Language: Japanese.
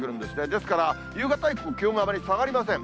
ですから、夕方以降、気温があまり下がりません。